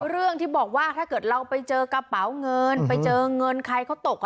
เรื่องที่บอกว่าถ้าเกิดเราไปเจอกระเป๋าเงินไปเจอเงินใครเขาตก